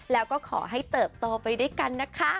แล้วก็ขอให้เติบโตไปด้วยกันนะคะ